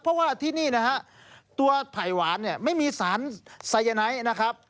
เพราะว่าที่นี่นะฮะตัวไผ่หวานเนี่ยไม่มีสารไซยาไนท์นะครับ